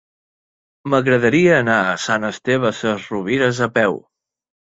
M'agradaria anar a Sant Esteve Sesrovires a peu.